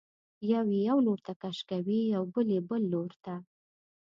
یو یې یو لورته کش کوي او بل یې بل لورته.